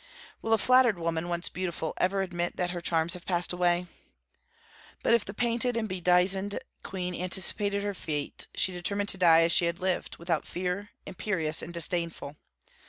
Will a flattered woman, once beautiful, ever admit that her charms have passed away? But if the painted and bedizened queen anticipated her fate, she determined to die as she had lived, without fear, imperious, and disdainful.